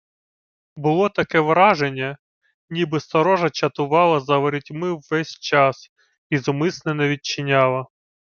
Було таке враження, ніби сторожа чатувала за ворітьми ввесь час і зумисне не відчиняла.